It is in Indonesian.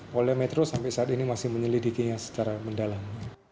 poliometro sampai saat ini masih menyelidikinya secara mendalam